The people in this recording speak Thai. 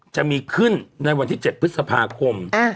จะมีขึ้นในวันที่๗พฤษภาคม